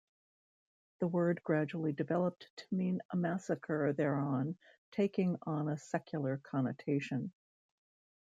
The word gradually developed to mean a massacre thereon, taking on a secular connotation.